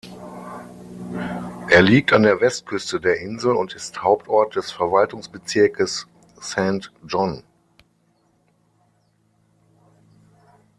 Er liegt an der Westküste der Insel und ist Hauptort des Verwaltungsbezirkes Saint John.